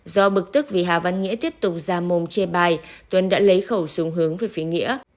do bực tức vì hà văn nghĩa tiếp tục ra mồm chê bài tuấn đã lấy khẩu súng hướng về phía nghĩa